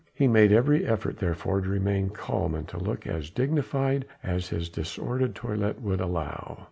He made every effort therefore to remain calm and to look as dignified as his disordered toilet would allow.